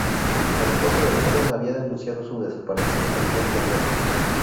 La esposa del joven había denunciado su desaparición el día anterior.